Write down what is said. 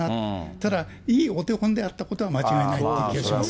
ただ、いいお手本であったことは間違いないという気がします。